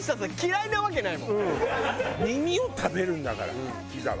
「耳を食べるんだからピザは！」